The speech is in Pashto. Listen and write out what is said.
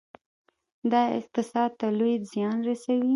دا اقتصاد ته لوی زیان رسوي.